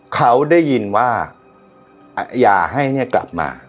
เขาได้ยินว่าอย่าให้เนี่ยกลับมา